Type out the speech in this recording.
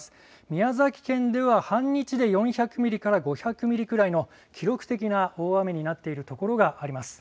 宮崎県では半日で４００ミリから５００ミリくらいの記録的な大雨になっているところがあります。